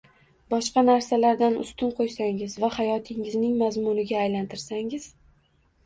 boshqa narsalardan ustun qo’ysangiz va hayotingizning mazmuniga aylantirsangiz